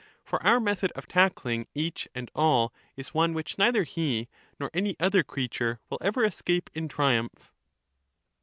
For our method of tackling each and all is one which neither he nor any other creature will ever escape in triumph.